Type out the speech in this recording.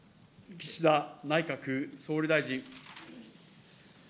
岸田内閣総理大臣。